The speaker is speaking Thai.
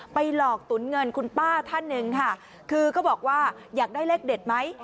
หลอกตุ๋นเงินคุณป้าท่านหนึ่งค่ะคือก็บอกว่าอยากได้เลขเด็ดไหม